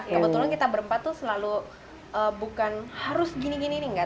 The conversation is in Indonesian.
kebetulan kita berempat tuh selalu bukan harus gini gini nih enggak